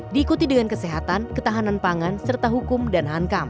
diikuti dengan kesehatan ketahanan pangan serta hukum dan hankam